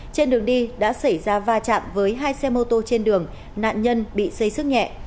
trên đường đi đã xảy ra va chạm với hai xe mô tô trên đường nạn nhân bị xây sức nhẹ